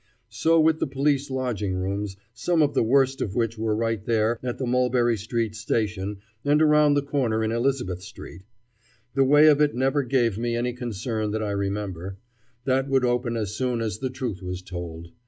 So with the police lodging rooms, some of the worst of which were right there, at the Mulberry Street Station and around the corner in Elizabeth Street. The way of it never gave me any concern that I remember. That would open as soon as the truth was told.